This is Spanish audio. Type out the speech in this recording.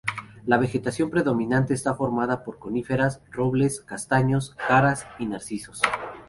La vegetación predominante está formada por coníferas, robles, castaños, jaras y narcisos.